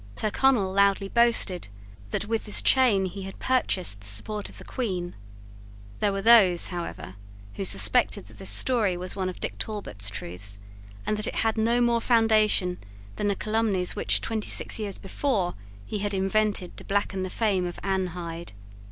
Tyrconnel loudly boasted that with this chain he had purchased the support of the Queen. There were those, however, who suspected that this story was one of Dick Talbot's truths, and that it had no more foundation than the calumnies which, twenty six years before, he had invented to blacken the fame of Anne Hyde.